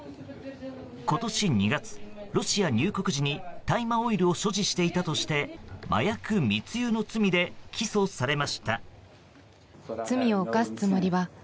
今年２月、ロシア入国時に大麻オイルを所持していたとして麻薬密輸の罪で起訴されました。